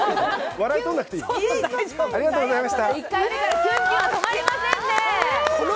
笑い取らなくていいの？